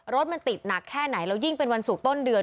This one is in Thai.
รถมันติดหนักแค่ไหนแล้วยิ่งเป็นวันศุกร์ต้นเดือน